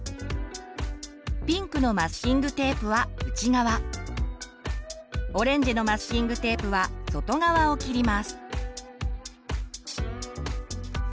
ピンクのマスキングテープは内側オレンジのマスキングテープは外側を切ります。